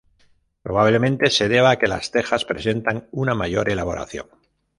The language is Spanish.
Probablemente se deba a que las tejas presentan una mayor elaboración.